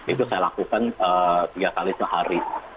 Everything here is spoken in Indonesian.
itu saya lakukan tiga kali sehari